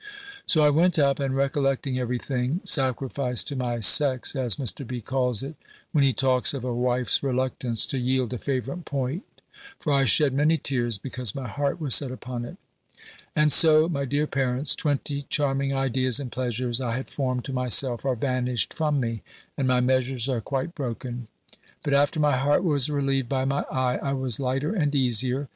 So I went up, and recollecting every thing, sacrificed to my sex, as Mr. B. calls it, when he talks of a wife's reluctance to yield a favourite point: for I shed many tears, because my heart was set upon it. And so, my dear parents, twenty charming ideas and pleasures I had formed to myself, are vanished from me, and my measures are quite broken. But after my heart was relieved by my eye, I was lighter and easier.